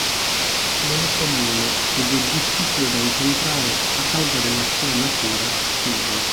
Non è comune ed è difficile da incontrare a causa della sua natura schiva.